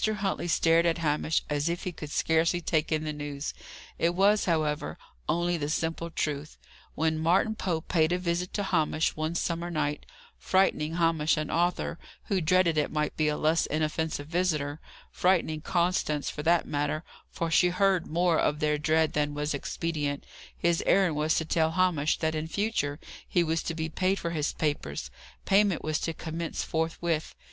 Huntley stared at Hamish as if he could scarcely take in the news. It was, however, only the simple truth. When Martin Pope paid a visit to Hamish, one summer night, frightening Hamish and Arthur, who dreaded it might be a less inoffensive visitor; frightening Constance, for that matter, for she heard more of their dread than was expedient; his errand was to tell Hamish that in future he was to be paid for his papers: payment was to commence forthwith.